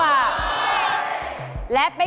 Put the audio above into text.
อยากตอบเลยไหม